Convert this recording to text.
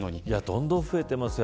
どんどん増えていますよ